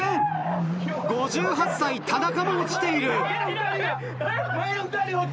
５８歳田中も落ちている。